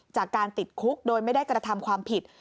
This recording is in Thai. จากการติดคุกโดยไม่ได้กระทำความผิด